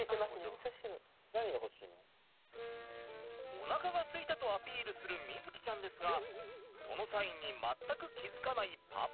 おなかがすいたとアピールする瑞己ちゃんですがそのサインに全く気付かないパパ。